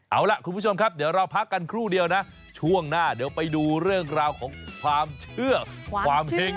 เอาล่ะคุณผู้ชมครับเดี๋ยวเราพักกันครู่เดียวนะช่วงหน้าเดี๋ยวไปดูเรื่องราวของความเชื่อความเห็ง